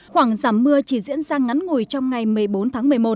khoảng giảm mưa chỉ diễn ra ngắn ngùi trong ngày một mươi bốn tháng một mươi một